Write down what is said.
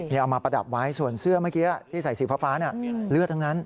เอามาประดับไว้ส่วนเสื้อเมื่อกี้ที่ใส่สีฟ้าเลือดทั้งนั้น